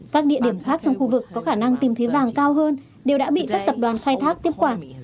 các địa điểm khác trong khu vực có khả năng tìm thấy vàng cao hơn đều đã bị các tập đoàn khai thác tiếp quản